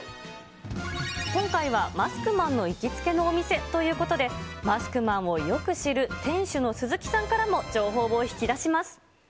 今回はマスクマンの行きつけのお店ということで、マスクマンをよく知る店主の鈴木さんからも情報を引き出します。